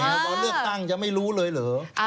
วันเลือกตั้งจะไม่รู้เลยเหรอ